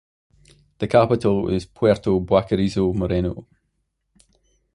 The capital is Puerto Baquerizo Moreno.